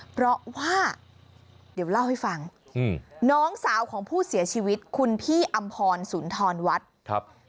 เพราะว่าเดี๋ยวเล่าให้ฟังน้องสาวของผู้เสียชีวิตคุณพี่อำพรสุนทรวัฒน์ครับ